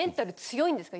弱いんですか？